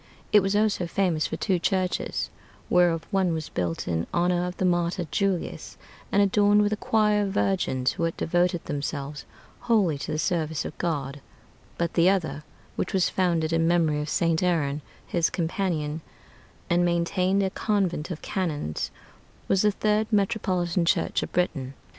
It was also famous for two churches: whereof one was built in honor of the martyr Julius, and adorned with a choir of virgins, who had devoted themselves wholly to the service of God; but the other, which was founded in memory of St. Aaron, his companion, and maintained a convent of canons, was the third metropolitan church of Britain.